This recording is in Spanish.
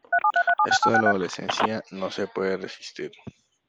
Esto de la adolescencia no se puede resistir.